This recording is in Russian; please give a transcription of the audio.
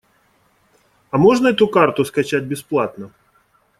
А можно эту карту скачать бесплатно?